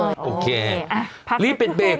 ลีบเป็นเบรกหนึ่งเลยค่ะรีบเป็นเบรก